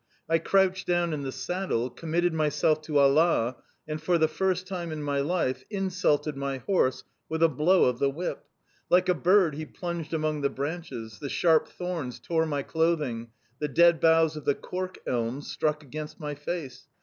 I crouched down in the saddle, committed myself to Allah, and, for the first time in my life, insulted my horse with a blow of the whip. Like a bird, he plunged among the branches; the sharp thorns tore my clothing, the dead boughs of the cork elms struck against my face!